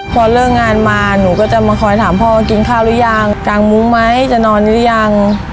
พอเลิกงานมาหนูก็จะมาคอยถามพ่อกินข้าวหรือยังกางมุ้งไหมจะนอนหรือยัง